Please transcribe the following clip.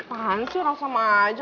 kan sih rasam aja